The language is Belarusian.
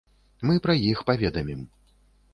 Мы пра іх паведамім.